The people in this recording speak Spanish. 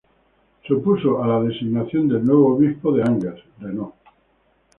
Se opuso a la designación del nuevo obispo de Angers, Renaud.